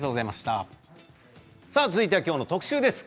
続いてはきょうの特集です。